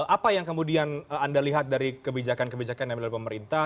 apa yang kemudian anda lihat dari kebijakan kebijakan yang dari pemerintah